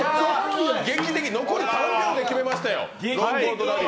劇的、残り３秒で決めましたよ。